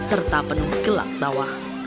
atau penuh gelak tawa